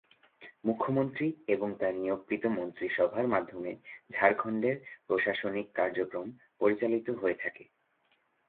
মুখ্যমন্ত্রী এবং তার নিয়োগকৃত মন্ত্রিসভার মাধ্যমে ঝাড়খণ্ডের প্রশাসনিক কার্যক্রম পরিচালিত হয়ে থাকে।